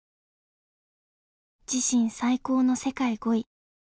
自身最高の世界５位。